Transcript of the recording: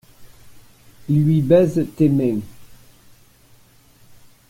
Il lui baise tes mains.